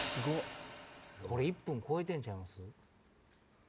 １分超えてんちゃいます？